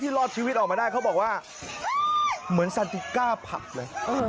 รอดชีวิตออกมาได้เขาบอกว่าเหมือนสันติก้าผับเลย